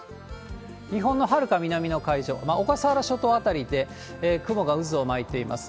日本のはるか南の海上、小笠原諸島辺りで雲が渦を巻いています。